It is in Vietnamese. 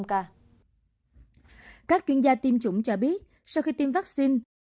các chuyên gia tiêm chủng cho biết sau khi tiêm vaccine